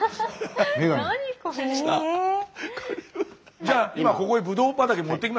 じゃあ今ここへブドウ畑持ってきますね。